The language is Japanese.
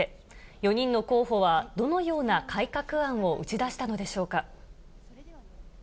４人の候補は、どのような改革案を打ち出したのでしょうか。